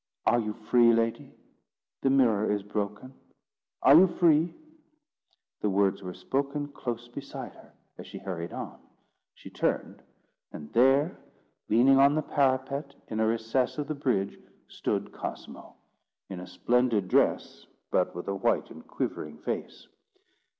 "Are you free, lady? The mirror is broken: are you free?" The words were spoken close beside her, as she hurried on. She turned; and there, leaning on the parapet in a recess of the bridge, stood Cosmo, in a splendid dress, but with a white and quivering face.